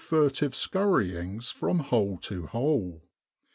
in Egypt furtive skurryings from hole to hole.